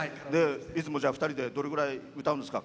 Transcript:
いつも、じゃあ２人でどのぐらい歌うんですか？